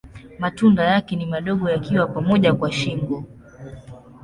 Matunda yake ni madogo yakiwa pamoja kwa shingo.